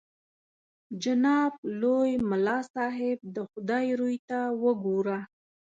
جناب لوی ملا صاحب د خدای روی ته وګوره.